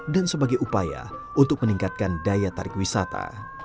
dan sebagai upaya untuk meningkatkan daya tarik wisata